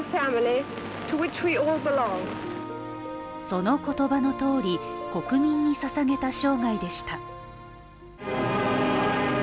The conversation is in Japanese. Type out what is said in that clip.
その言葉のとおり、国民にささげた生涯でした。